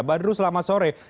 badru selamat sore